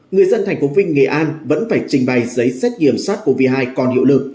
người dân thành phố vinh nghệ an vẫn phải trình bày giấy xét nghiệm sars cov hai còn hiệu lực